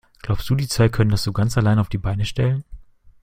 Glaubst du, die zwei können das so ganz alleine auf die Beine stellen?